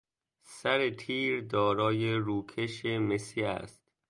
سر تیر دارای روکش مسی است.